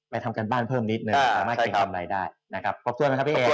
ไปทำการบ้านเพิ่มนิดหนึ่งสามารถการทำอะไรได้